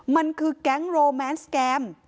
มันคือแก๊งโรแมนสแกม